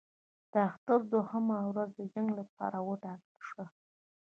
د اختر دوهمه ورځ د جنګ لپاره وټاکل شوه.